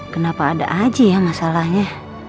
kenapa ada aja ya masalahnya